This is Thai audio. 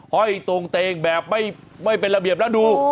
ห้อยตรงเตงแบบไม่เป็นระเบียบแล้วดู